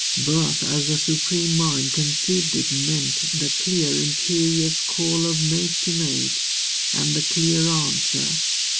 Birth, as the Supreme Mind conceived it, meant The clear imperious call of mate to mate And the clear answer.